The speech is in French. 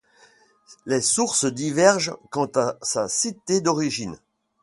Les sources divergent quant à sa cité d'origine.